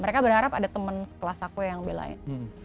mereka berharap ada teman sekelas aku yang belain